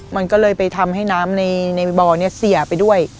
มันก็เลยไปทำให้น้ำในบ่อนี้เสียไปด้วย